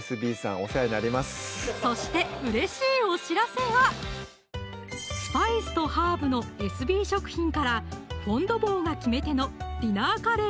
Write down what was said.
お世話になりますそしてうれしいお知らせがスパイスとハーブのエスビー食品からフォン・ド・ボーが決め手の「ディナーカレー」